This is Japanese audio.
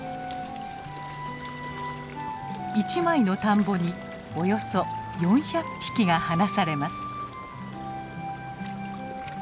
１枚の田んぼにおよそ４００匹が放されます。